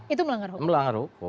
itu melanggar hukum